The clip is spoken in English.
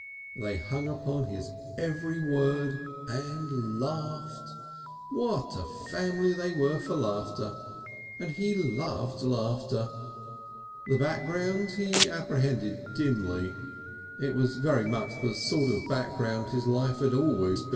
They hung upon his every word and laughed. What a family they were for laughter! And he loved laughter. The background he apprehended dimly; it was very much the sort of background his life had always had.